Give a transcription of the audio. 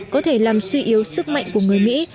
có thể làm suy yếu sức mạnh của người mỹ